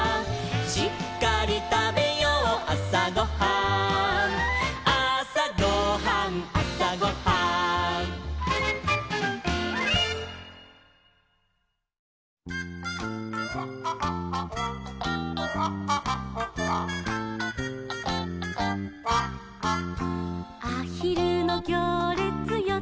「しっかりたべようあさごはん」「あさごはんあさごはん」「あひるのぎょうれつよちよちよち」